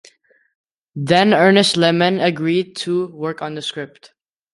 Then Ernest Lehman agreed to work on the script.